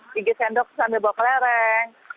gigit sendok sambil bawa kelereng